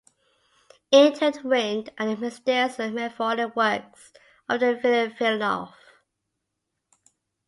Intertwined are the mysterious and malevolent works of the villain Vilnoff.